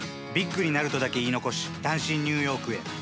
ビッグになるとだけ言い残し、単身ニューヨークへ。